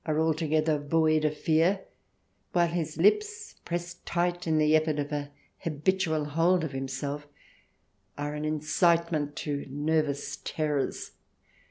xii altogether void of fear, while his lips, pressed tight in the effort of an habitual hold of himself, are an incitement to nervous terrors.